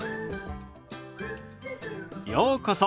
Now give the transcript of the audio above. ようこそ。